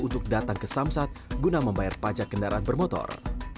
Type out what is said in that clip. untuk datang ke samsat guna membayar pajak kendaraan bermotor